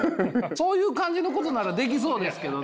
そういう感じのことならできそうですけどね。